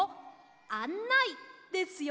「あんない」ですよ！